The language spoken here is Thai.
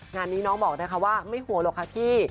งานนี้น้องบอกนะคะว่าไม่ห่วงหรอกค่ะพี่